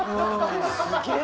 すげえ！